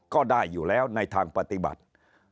ก็ได้อยู่แล้วในทางปฏิบัติ